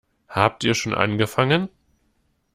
Habt ihr schon angefangen?